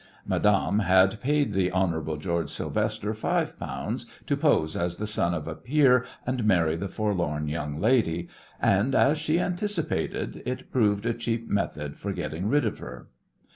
Madame had paid the "Hon. George Sylvester" five pounds to pose as the son of a peer and marry the forlorn young lady, and, as she anticipated, it proved a cheap method for getting rid of her.